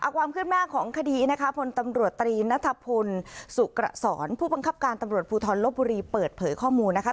ความขึ้นหน้าของคดีนะคะพลตำรวจตรีนัทพลสุกระสอนผู้บังคับการตำรวจภูทรลบบุรีเปิดเผยข้อมูลนะคะ